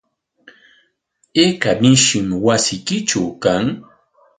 ¿Ayka mishim wasiykitraw kan?